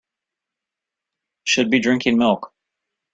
Should be drinking milk.